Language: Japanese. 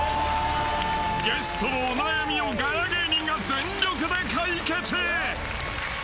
ゲストのお悩みをガヤ芸人が全力で解決！